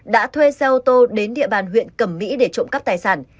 đã thuê xe ô tô đến địa bàn huyện cẩm mỹ để trụ cấp tài sản